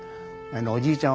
おじいちゃん